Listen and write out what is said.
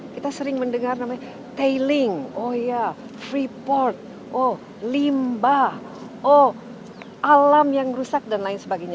kita sering mendengar namanya tailing oh iya freeport oh limbah oh alam yang rusak dan lain sebagainya